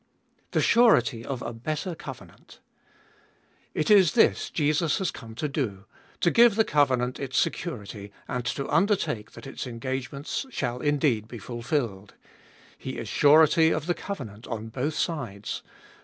The surety of a better covenant. It is this Jesus has come to do, to give the covenant its security, and to undertake that its engagements shall indeed be fulfilled. He is surety of the covenant on both sides.